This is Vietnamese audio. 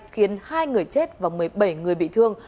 khiến hai người chết và một mươi bảy người bị thương